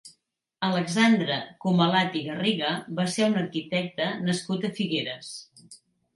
Alexandre Comalat i Garriga va ser un arquitecte nascut a Figueres.